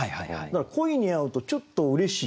だから鯉に会うとちょっとうれしい。